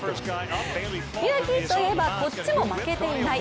勇気といえばこっちも負けていない。